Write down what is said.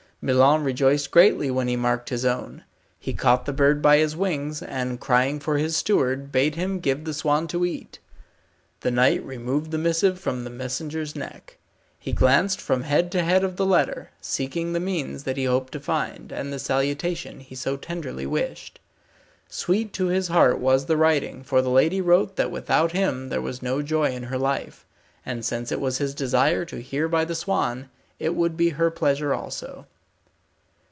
Milon rejoiced greatly when he marked his own. He caught the bird by his wings, and crying for his steward, bade him give the swan to eat. The knight removed the missive from the messenger's neck. He glanced from head to head of the letter, seeking the means that he hoped to find, and the salutation he so tenderly wished. Sweet to his heart was the writing, for the lady wrote that without him there was no joy in her life, and since it was his desire to hear by the swan, it would be her pleasure also.